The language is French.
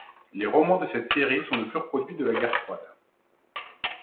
Les romans de cette série sont de purs produits de la Guerre froide.